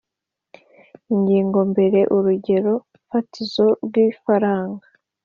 Ingingo ya mbere Urugero fatizo rw ifaranga